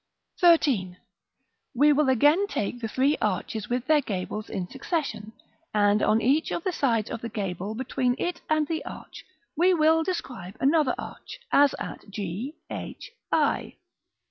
[Illustration: Fig. XXXI.] § XIII. We will again take the three arches with their gables in succession, and on each of the sides of the gable, between it and the arch, we will describe another arch, as at g, h, i.